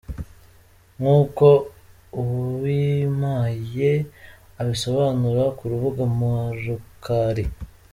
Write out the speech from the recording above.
Nk’uko Uwimpaye abisobanura ku rubuga murukali.